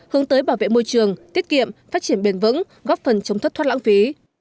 hướng tới bảo vệ môi trường tiết kiệm phát triển bền vững góp phần chống thất thoát lãng phí